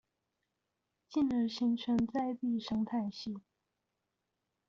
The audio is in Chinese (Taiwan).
進而形成在地生態系